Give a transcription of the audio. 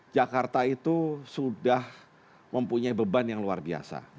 jakarta itu sudah mempunyai beban yang luar biasa